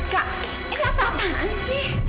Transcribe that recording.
kak ini apaan sih